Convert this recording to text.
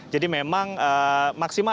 jadi memang maksimal